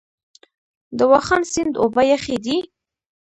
د واخان سیند اوبه یخې دي؟